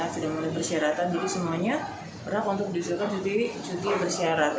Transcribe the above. sudah memiliki persyaratan jadi semuanya berhak untuk disediakan cuti bersyarat